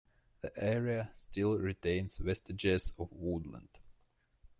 The area still retains vestiges of woodland.